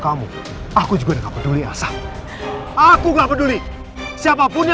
kamu jangan percaya ini semua